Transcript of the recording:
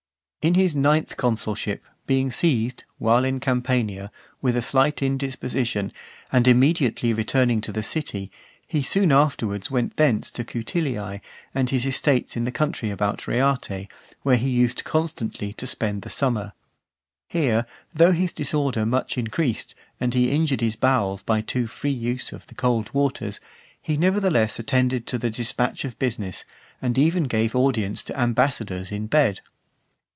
XXIV. In his ninth consulship, being seized, while in Campania, with a slight indisposition, and immediately returning to the city, he soon afterwards went thence to Cutiliae , and his estates in the country about Reate, where he used constantly to spend the summer. Here, though his disorder much increased, and he injured his bowels by too free use of the cold waters, he nevertheless attended to the dispatch of business, and even gave audience to ambassadors in bed.